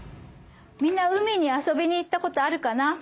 みんな海に遊びに行った事あるかな？